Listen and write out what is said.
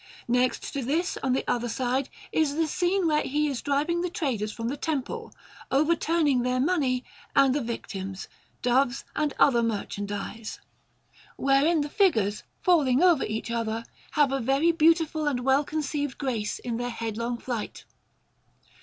Next to this, on the other side, is the scene where He is driving the traders from the Temple, overturning their money and the victims, doves, and other merchandise; wherein the figures, falling over each other, have a very beautiful and well conceived grace in their headlong flight.